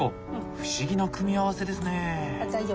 不思議な組み合わせですね。